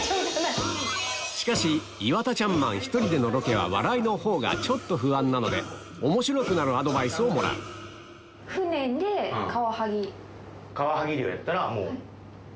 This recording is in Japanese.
しかし岩田チャンマン１人でのロケは笑いのほうがちょっと不安なのでおもしろくなるアドバイスをもらうカワハギ漁やったら。